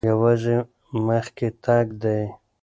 یوازې مخکې تګ دی.